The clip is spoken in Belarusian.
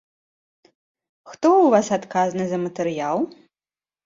Хто ў вас адказны за матэрыял?